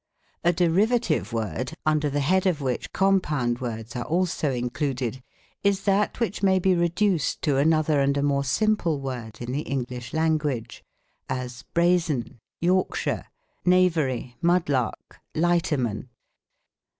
A derivative word, under the head of which compound words are also included, is that which may be reduced to another and a more simple word in the English lan guage ; as, brazen, Yorkshire, knavery, mud lark, lighterman.